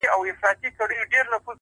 د تمرکز ځواک هدف روښانه ساتي